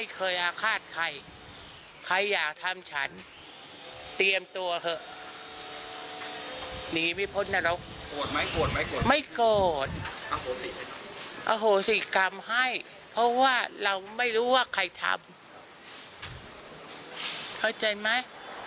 เขาเข้าใจมั้ย